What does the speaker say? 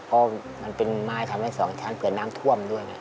เพราะมันเป็นไม้ทำให้สองชั้นเกิดน้ำท่วมด้วยนะ